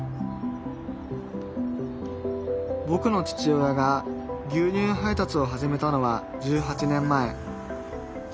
ぼくの父親が牛乳配達を始めたのは１８年前。